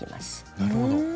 なるほど。